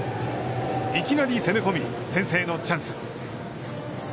いきなり攻め込み、先制のチャンス。